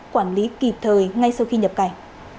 quản lý kịp thời ngay sau khi nhập cảnh